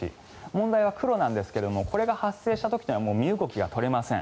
問題は黒なんですがこれが発生した時というのはもう身動きが取れません。